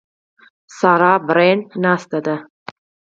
سارا برنده ناسته ده.